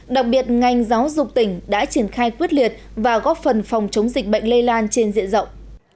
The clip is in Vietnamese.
đặc biệt ngành giáo dục tỉnh đã triển khai quyết liệt và góp phần phòng chống dịch bệnh lây lan trên diện rộng